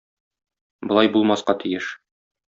Болай булмаска тиеш!